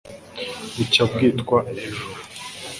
bucya bwitwa ejo